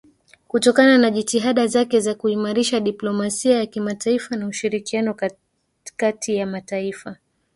kutokana na jitihada zake za kuimarisha diplomasia ya kimataifa na ushirikiano katia ya mataifa